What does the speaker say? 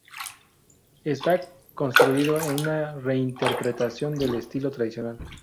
Está construido en una reinterpretación del estilo tradicional.